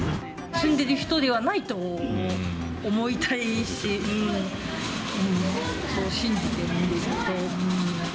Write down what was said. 住んでる人ではないと思いたいし、信じてるんですけど。